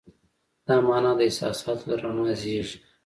دا مانا د احساساتو له رڼا زېږېږي.